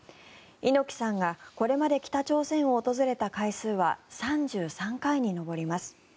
猪木さんがこれまで北朝鮮を訪れた回数は３３回に上ります。